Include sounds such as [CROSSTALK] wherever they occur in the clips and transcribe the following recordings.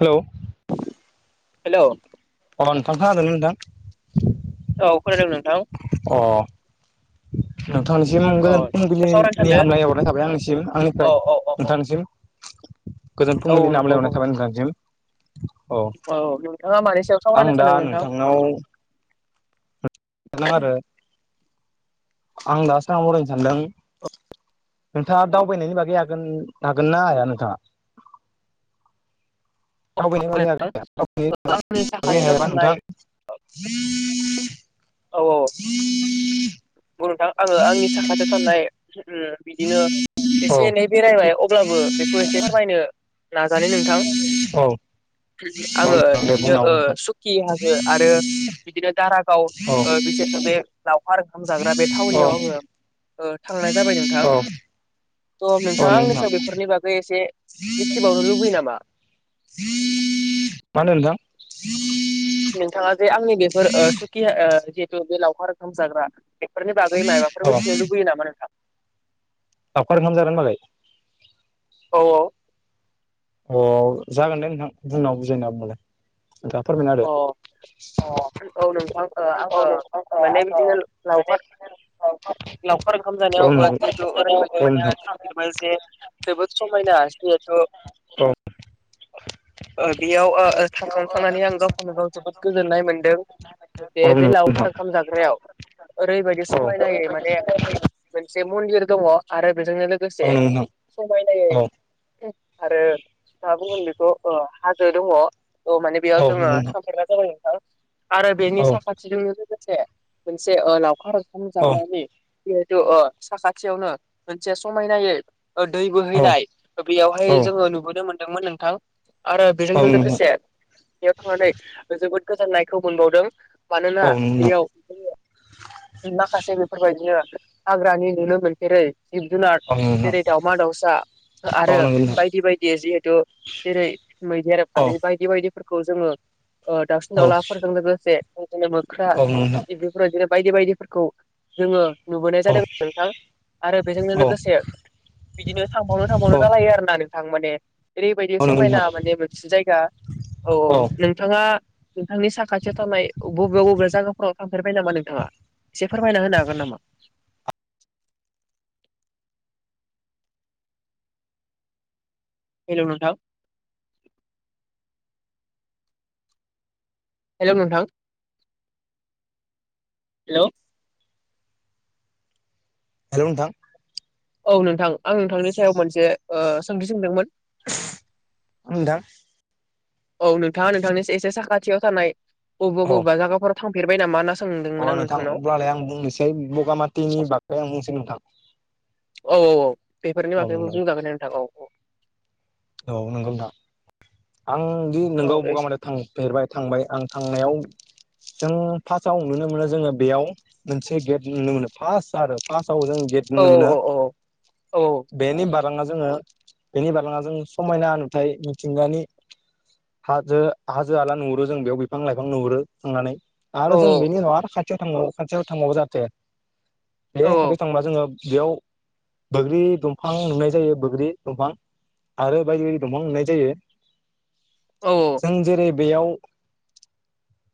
Hello hello अ नोंथां खोनादों ना नोंथां? औ खोनादों नोंथां। अ नोंथांनिसिम औ गोजोन सावरायनो फुंबिलिनि सानदो हामलाय हरनाय थाबाय आंनिसिम औ आंनिफ्राय औ औ औ नोंथांनिसिम। गोजोन औ फुंबिलिन नंगौ हामलायहरनाय थाबाय औ नोंथांनिसिम। औ नोंथाङा मानि सायाव अ सावरायनो आं दा सानदों नोंथां नोंथांनाव [UNINTELLIGIBLE] आरो आं दा सावरायनो सानदों। नोंथाङा दावबायनायनि बागै हागोन हागोनना हाया नोंथाङा? [INAUDIBLE] दावबायनायनि बागै आंनि [INAUDIBLE] साखाथियाव हाया थानाय नोंथां? [UNINTELLIGIBLE] औ औ औ। बर' थां आङो आंनि साखाथियाव थानाय उम बिदिनो औ एसे एनै बेरायबाय अब्लाबो बेखौ एसे फोरमायनो नाजानि नोंथां। औ उम आङो नोंथां दे बिदिनो बुंना हो ओ नोंथां सुकि हाजो आरो बिदिनो दा औ ओ बिसोरखो बे लावखार ओंखाम जाग्रा बे औ थावनियाव आङो ओ थांनाय जाबाय नोंथां त' औ नोंथाङा आंनि नोंथां सायाव बेफोरनि बागै एसे मिथिबावनो लुबैयो नामा? मा होनदों नोंथां,? नोंथाङा जे आंनि बेफोर ओ सुकि ओ जिहेतु बे लावखार ओंखाम जाग्रा बेफोरनि बागै अ मायाबाफोर मिथिनो लुबैयो नामा नोंथां? लावखार ओंखाम जा [UNINTELLIGIBLE] औ औ। अ जागोन दे नोंथां बुंना बुजायना हो होनबालाय। दा फोरमायनो औ आरो औ नोंथां ओ आङो माने बिदिनो लावखार लावखार लावखार ओंखाम जानायाव ओ जिहेतु ओरैबायदि माने [INAUDIBLE] जे जोबोद समायना जिहेथु औ ओ बेयाव ओ थांखांखांनानै आं गावखौनो गाव जोबोद गोजोननाय मोनदों। औ जे बे नंगौ लावखार नोंथां ओंखाम जाग्रायाव ओरैबायदि औ समायनायै माने मोनसे मन्दिर दङ आरो बेजोंनो औ लोगोसे नंगौ समायनायै आरो मा बुंगोन बेखौ ओ हाजो दङ। औ माने बेयाव जोङो नोंथां [INAUDIBLE] आरो बेनि औ साखाथिजोंनो लोगोसे मोनसे लावखार ओंखाम औ जाग्रानि जिहेतु ओ साखाथियावनो मोनसे समायनायै औ दै औ बोहैनाय ओ बेयावहाय औ जोङो नुबोनो मोनदोंमोन नोंथां। आरो बेजोंनो नंगौ लोगोसे बेयाव थांनानै जोबोद गोजोननायखौ मोनबावदों। मानोना औ नंगौ नोंथां बेयाव माखासे बेफोरबायदिनो हाग्रानि नुनो मोनफेरै जिब जुनार जेरै दावमा दाउसा औ नंगौ आरो नोंथां बायदि बायदि जिहेथु जेरै मैदेर औ आरि बायदि बायदि फोरखौ जोङो ओ दाउसिन औ नंगौ नोंथां औ दाउलाफोरजों लोगोसेनि मोख्रा औ बेफोरबायदिनो बायदि बायदिफोरखौ जोङो नुबोनाय जादों नोंथां आरो बेजोंनो लोगोसे बिदिनो थांबावनो थांबावनो जालायो आरो ना नोंथां माने ओरैबायदि नंगौ समायना नोंथां माने मोनसे जायगा औ औ नोंथाङा नोंथांनि साखाथियाव थानाय बबे बबे जागाफोराव थांफेरबाय नामा नोंथाङा एसे फोरमायना होनो हागोन नामा [INAUDIBLE] हेलौ नोंथां। हेलौ नोंथां हेलौ। हेलौ नोंथां। औ नोंथां आं नोंथांनि सायाव मोनसे ओ सोंथि सोंदोंमोन। नोंथां औ नोंथाङा नोंथांनि एसे साखाथियाव थानाय बबेबा औ बबेबा जागाफोराव थांफेरबाय नामा होनना सो अ नोंथां अब्लालाय आं बुंनोसै बगामाथिनि बागै आं बुंसै नोंथां। औ औ औ बेफोरनि औ बागैबो नंगौ बुंजागोनदे नोंथां औ। औ नोंगौ नोंथां। आंदि औ नोंगौ बगा माटियाव थांफेरबाय थांबाय आं थांनायाव। जों फार्स्टआव नुनो मोनो जोङो बेयाव मोनसे गे। ट नुनो मोनो फार्स्ट आरो फार्स्ट आव जों गेट औ नुनो मोनो औ औ बेनि बारलांना जोङो बेनि बारलांना जों समायना नुथाइ मिथिंगानि हाजो हाजो हाला नुहुरो जों बेयाव बिफां लाइफां नुहुरो थांनानै औ आरो जों बेनि उनाव आरो खाथियाव थांबाव खाथियाव थांबावो जाहाथे बे औ खाथियाव थांबा जोङो बेयाव बोग्रि दंफां नुनाय जायो बोग्रि दंफां। आरो बायदि बायदि दंफां नुनाय जायो जों जेरै बेयाव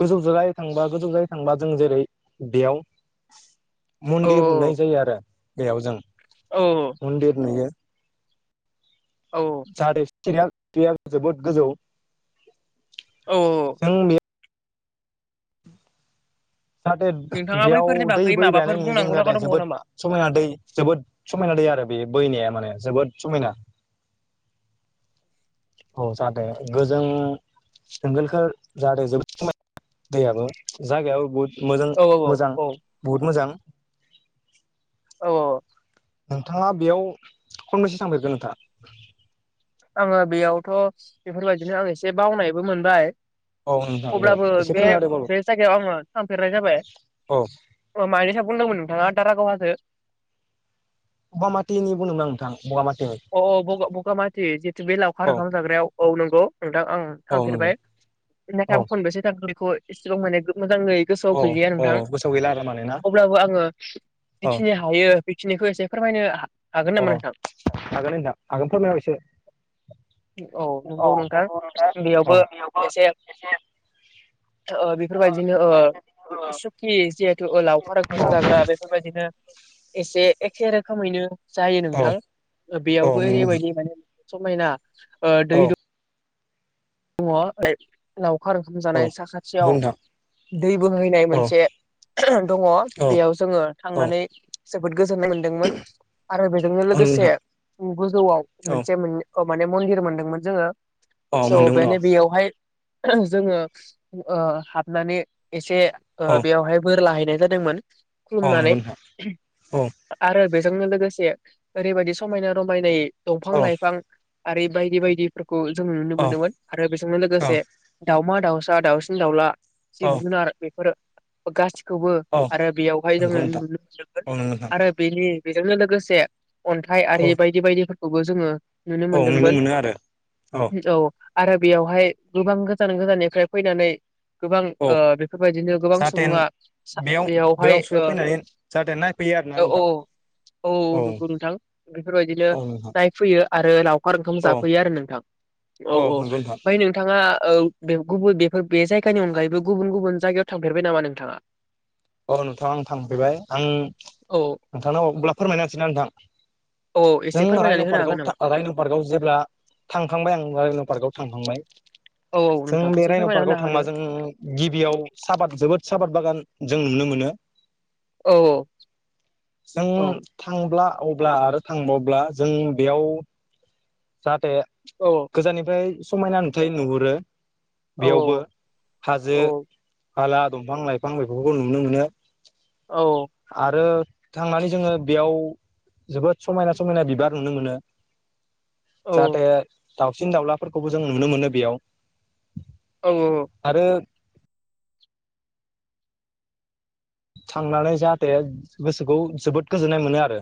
गोजौ द्राय थांबा गोजौ जाय थांबा जों जेरै बेयाव मन्दिर नुनाय जायो आरो बेयाव जों औ मन्दिर नुयो। औ [UNINTELLIGIBLE] जोबोद गोजौ। औ ओ औ जों बे जाहाथे नोंथाङा बेयाव बैफोरनि दै बागै माबाफोर बोहैबायहानाय नुयो जों बुंनांगौ लागा जाहाथे दंबावो जोबोद नामा? समायना दै जोबोद समायना दै आरो। आरो बे बोहैनाया माने जोबोद समायना। औ जाहाथे गोजों जोंखोलखोल जादों जोबोद समायना दैयाबो जायगायाबो बुहुत मोजां औ मोजां औ बुहुत मोजां। औ ओ अ नोंथाङा बेयाव खनबैसे थांफेरखो नोंथां? आङो बेयावथ' बेफोरबादिनो आं एसे बावनायबो मोनबाय। औ नोंथां दे अब्लाबो एसे बे फोरमायना होदो बाबु बे जायगायाव आङो थांफेरनाय जाबाय। औ अ मायनि सायाव बुंदोंमोन नोंथाङा दारागाव हाजो। बगामाथिनि बुंदोंमोन आं नोंथां बगामाथि। अ बगा बगामाथि जितु बे लावखार औ ओंखाम जाग्रायाव औ नंगौ। नोंथां आङो औ नंगौ थांफेरबाय बेनिफ्राय औ आं खनबेसे थांखो बेखौ एसेबां माने मोजाङै गोसोआव औ गैलिया औ नोंथां गोसोआव गैला आरो माने ना अब्लाबो आङो औ जिखिनि हायो बेखिनिखो एसे फोरमायनो हागोन अ नामा नोंथां। हागोन नोंथां हागोन फोरमायना हो एसे। औ नंगौ नोंथां औ बेयावबो एसे ओ बेफोरबायदिनो ओ सुखि जिहेथु ओ लावखार ओंखाम जाग्रा बेफोरबायदिनो एसे एखे रोखोमैनो। जायो औ नोंथां औ बेयावबो नंगौ ओरैबायदि माने समायना ओ औ दै दं दङ लावखार ओंखाम औ नंगौ जानाय साखाथियाव नोंथां दै बोहैनाय औ मोनसे दङ औ बेयाव जोङो औ थांनानै जोबोद गोजोननाय मोनदोंमोन आरो बेजोंनो औ नंगौ लोगोसे नोंथां गोजौआव औ मोनसे मोन खो माने मन्दिर मोनदोंमोन जोङो। औ स' मोनदोंमोन औ बेनो बेयावहाय जोङो ओ हाबनानै एसे औ ओ बेयावहाय बोर लाहैैनाय जादोंमोन औ नंगौ खुलुमनानै नोंथां औ आरो बेजोंनो लोगोसे ओरैबायदि समायना रमायनाय दंफां औ लाइफां आरो बायदि बायदिफोरखौ जों औ दोंमोन आरो बेजोंनो लोगोसे दाावमा दाउसा दाावउसिन दाउला औ जिब बिुनार बे फोर गाससिखौबो औ आरो बेयावहाय जोङो नंगौ नोंथां औ नंगौ नोंथां नुनो आरो बेनि बेजोंनो लोगोसे अन्थाइ औ आरि बायदि बायदिफोरखौबो जोङो नुनो औ मोनदोंमोन। मोनो आरो औ आरो बेयावहाय गोबां गोजान गोजाननिफ्राय फैनानै गोबां औ ओ बेफोरबायदिनो गोबां जाहाथे सुबुङा बेयावहाय ओ फैयो आरो ना औ नोंथां। औ औ नंगौ नोंथां बेफोरबायदिनो औ नोंथां नायफैयो। आरो लावखार ओंखाम औ जाफैयो आरो नोंथां। औ‌ औ नंगौ नोंथां ओमफ्राय नोंथाङा गुबुन बेफोर बे जायगानि अनगायैबो गुबुन गुबुन जायगायाव थांफेरबाय नामा नोंथाङा? अ नोंथां आं थांफेरबाय आं औ नोंथांनाव अब्ला फोरमायनोसैना नोंथां। औ जों एसे रायन' फोरमायनानै होनो हागोन नामा पार्कआव रायन' पार्कआव जेब्ला थांखांबाय आं रायन' पार्कआव थांखांबाय? औ औ जों नोंथां बे एसे रायन' फोरमायना होना पार्कआव थांबा होदो जों गिबियाव साहाबाद जोबोद साबाद बागान जों नुनो मोनो। औ औ जों थांब्ला अब्ला आरो थांबावब्ला जों बेयाव जाहाथे औ गोजाननिफ्राय समायना नुथाय नुहुरो। औ बेयावबो हाजो औ हाला दंफां-लाइफां बेफोरखौ नुनो मोनो। औ आरो थांनानै जोङो बेयाव जोबोद समायना समायना बिबार नुनो मोनो। जाहाथे दाउसिन दाउलाफोरखौबो जों नुनो मोनो बेयाव। औ आरो थांनानै जाहाथे गोसोखौ जोबोद गोजोननाय मोनो आरो।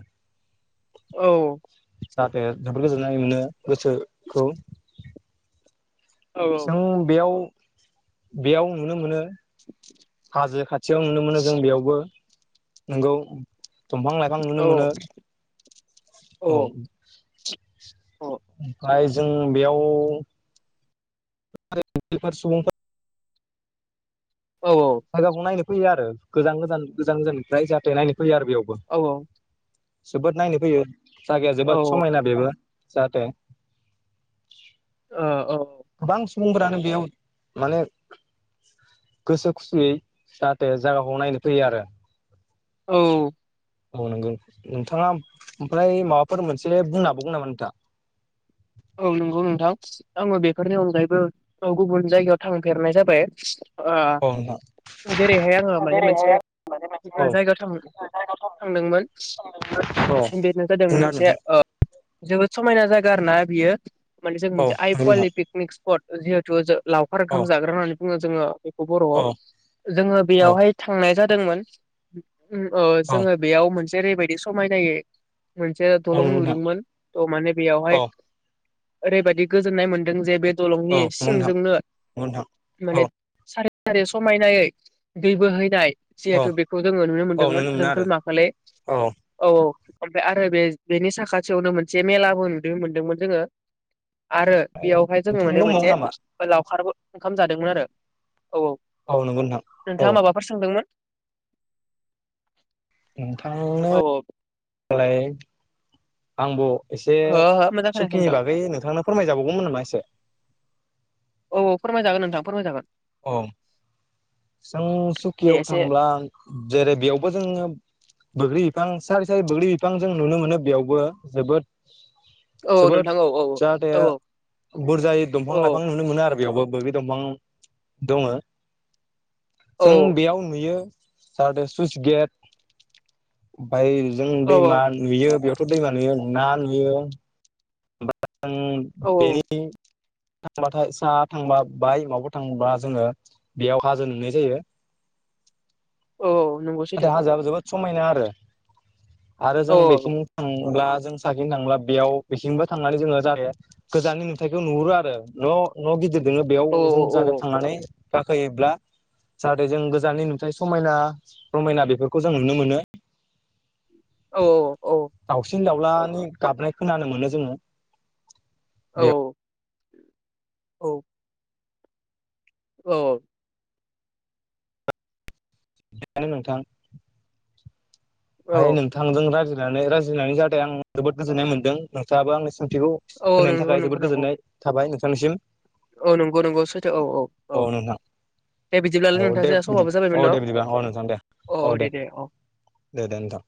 औ जाहाथे जोबोद गोजोन्नाय मोनो गोसोखौ। औ जों बेयाव बेयाव नुनो मोनो। हाजो खाथियाव नुनो मोनो जों बेयावबो। नोंगौ। दंफां-लाइफां नुनो औ मोनो। औ। ओमफ्राय जों बेयाव सुबुंफोर औ जायगाखौ नायनो फैयो आरो गोजान गोजान गोजान गोजाननिफ्राय जाहाथे नायनो फैयो आरो बेयावबो। जोबोद नायनो फैयो जायगाया जोबोद समायना बेबो जाहाथे ओ औ गोबां सुबुंफोरानो बेयाव माने गोसो खुसियै जाहाथे जायगाखौ नायनो फैयो आरो। औ औ नोंगौ नोंथाङा ओमफ्राय माबाफोर मोनसे बुंना हाबावगो नामा नोंथाङा? औ नंगौ नोंथां आङो बेफोरनि अनगायैबो औ गुबुन जायगायाव थांफेरनाय जाबाय। औ नोंथां। जेरैहाय आङो माने मोनसे औ जायगायाव थां दोंमोन औ बेनो जादों बुंना होदो मोनसे नोंथां ओ जोबोद समायना जायगा आरो ना बियो माने जों मोनसे आइ कुवालि पिकनिक स्पट जिहेथु जो लावखार ओंखाम जाग्रा होननानै बुङो जोङो बेखौ बर'आव जोङो बेयावहाय थांनाय जा दोंमोन ओ जोङो बेयाव मोनसे ओरैबायदि समायनायै मोनसे दलं नुदोंमोन तह माने बेयावहाय ओरैबायदि गोजोननाय मोनदों जे बे दलंनि औ नंगौ नोंथां सिंजोंनो औ माने समायनायै दै बोहैनाय औ जिहेथु बेखौ जोङो नुनो औ मोनदोंमोन नंगौ नोंथां जोंखोल माखाे औ नंगौ नोंथां नंगौ नोंथां नुनो मोनो आरो औ औ ओमफ्राय आरो बे बेनि साखाथियावनो मोनसे मेलाबो नुनो मोनदोंमोन जोङो आरो बेयावहाय जोङो नोंथां माने दंबावो मोनसे नामा? लावखार ओंखाम जादोंमोन आरो औ औ नंगौ नोंथां औ नोंथाङा माबाफोर सोंदोंमोन औ नोंथांनो औ लाय आंबो एसे हो हो मोजां खोनायाखै सुखिनि नोंथां बागै नोंथांनो फोरमायजाबावगौमोन नामा एसे औ फोरमायजागोन नोंथां फोरमायजागोन औ जों दे सुकियाव एसे थांब्ला जेरै बेयावबो जोङो बोग्रि बिफां सारि सारि बोग्रि बिफां जों नुनो मोनो बेयावबो जोबोद औ औ जोबोद नोंथां औ औ जाहाथे औ औ बुरजायै औ दंफां लाइफां नुनो मोनो आरो बेयावबो बबे दंफां दङ औ जों बेयाव नुयो सारादे सुइस गेट ओबाय जों औ दैमा नुयो बेयावथ' दैमा नुयो ना नुयो आं औ बेनि थांबाथाय साहा थांबा बाय माबाफोर थांबा जोङो बेयाव हाजो नुनाय जायो औ नाथाय नंगौसैथो हाजोआबो जोबोद समायना आरो आरो औ जों बेखिनि थांब्ला जों साखिनो थांब्ला बेयाव बेसिबो थांनानै जोङो जाहाथे गोजाननि नुथायखौ नुहुरो आरो न' न' गिदिर दङो बेयाव औ जों जागा थांनानै गाखोयोब्ला जाहाथे जों गोजाननि नुथाय समायना रमायना बेफोरखौ जों नुनो मोनो [INAUDIBLE] औ दउसिन दउ लानि गाबनाय खोनानो मोनो जोङो औ बेयावनो औ औ बेनो नोंथां औ ओमफाय नोंथांजों रायजिनानै रायजिनायनि ज आं जोबोद गोजोननाय मोन्दों नोंथाङाबो आंनि बेखौ औ होनायनि नंगौ थाखाय नंगौ जोबोद नों औ गोजोननाय थाबाय नोंथांनिसिम औ नंगौ नंगौ सैथो औ औ औ दे औ बिदिब्लालाय नोंथां दे ज बिदि समाबो औ जाबायमोन न' दे बिदिबा औ नोंथां दे अ औ दे दे अ दे दे नोंथां